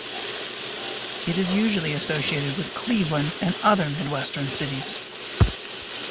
It is usually associated with Cleveland and other Midwestern cities.